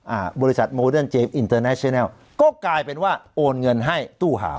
อ่าบริษัทโมเดิร์นเจมสอินเตอร์แนชินัลก็กลายเป็นว่าโอนเงินให้ตู้หาว